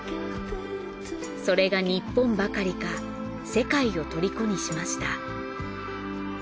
それが日本ばかりか世界をとりこにしました。